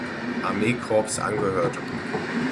Armeekorps angehörte.